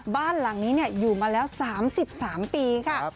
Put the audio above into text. บ้านหลังนี้อยู่มาแล้ว๓๓ปีค่ะ